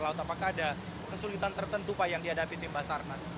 apakah ada kesulitan tertentu pak yang dihadapi tim basarnas